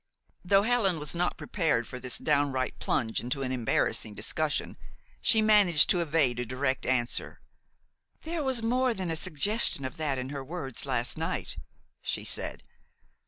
Though Helen was not prepared for this downright plunge into an embarrassing discussion, she managed to evade a direct answer. "There was more than a suggestion of that in her words last night," she said.